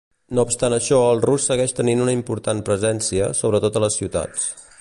No obstant això el rus segueix tenint una important presència, sobretot a les ciutats.